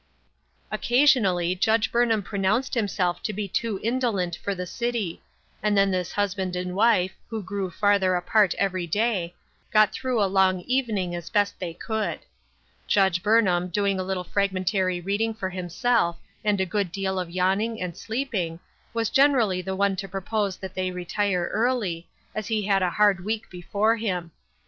Occasionally Judge Burnham pronounced him self to be too indolent for the city ; and then this husband and wife, who grew farther apart every day, got through a long evening as best they could. Judge Burnham, doing a little fragmentary reading for himself, and a good deal of yawning and sleep ing, was generally the one to propose that they retire early, as he had a hard week before him.